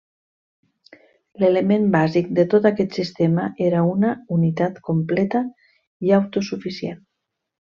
L’element bàsic de tot aquest sistema era una unitat completa i autosuficient.